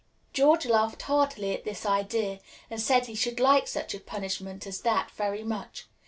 George laughed heartily at this idea, and said he should like such a punishment as that very much.